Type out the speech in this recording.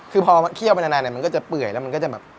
คือพอเคี่ยวไปนานมันก็จะเปื่อยแล้วมันก็จะแบบ